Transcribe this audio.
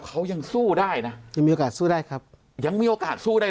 เขายังสู้ได้นะยังมีโอกาสสู้ได้ครับยังมีโอกาสสู้ได้